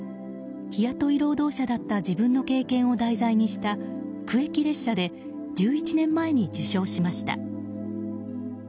日雇い労働者だった自分の経験を題材にした「苦役列車」で１１年前に受賞しました。